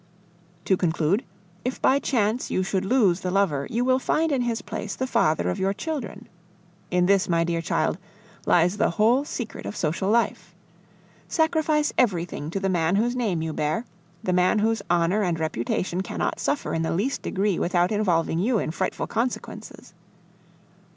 "To conclude, if by chance you should lose the lover, you will find in his place the father of your children. In this, my dear child, lies the whole secret of social life. Sacrifice everything to the man whose name you bear, the man whose honor and reputation cannot suffer in the least degree without involving you in frightful consequences.